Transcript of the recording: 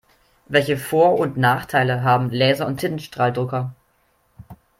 Welche Vor- und Nachteile haben Laser- und Tintenstrahldrucker?